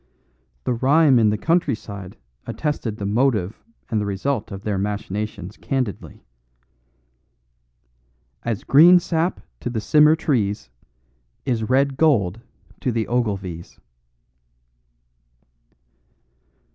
The rhyme in the country side attested the motive and the result of their machinations candidly: As green sap to the simmer trees Is red gold to the Ogilvies.